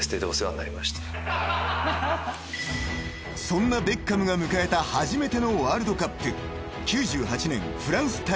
［そんなベッカムが迎えた初めてのワールドカップ］